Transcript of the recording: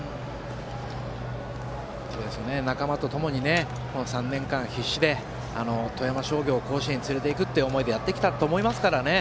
仲間とともに３年間必死で富山商業を甲子園に連れて行くという思いでやってきたと思いますからね。